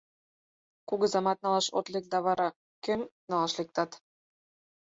Кугызамат налаш от лек да, вара кӧм налаш лектат?